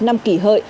năm kỷ hợi